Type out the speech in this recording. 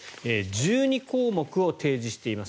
１２項目を提示しています。